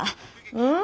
うん？